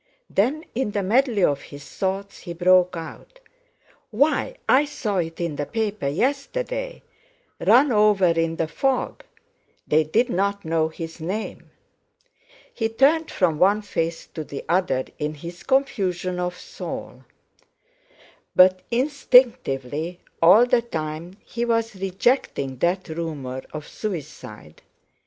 Then in the medley of his thoughts, he broke out: "Why I saw it in the paper yesterday: 'Run over in the fog!' They didn't know his name!" He turned from one face to the other in his confusion of soul; but instinctively all the time he was rejecting that rumour of suicide.